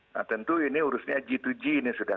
nah tentu ini urusnya g dua g ini sudah